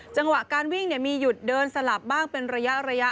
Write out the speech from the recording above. จังหวะการวิ่งมีหยุดเดินสลับบ้างเป็นระยะ